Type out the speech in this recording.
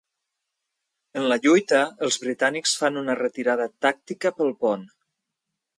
En la lluita, els britànics fan una retirada tàctica pel pont.